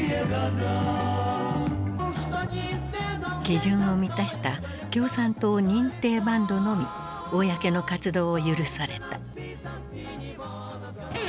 基準を満たした共産党認定バンドのみ公の活動を許された。